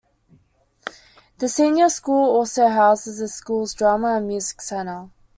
The senior school also houses the schools drama and music centre.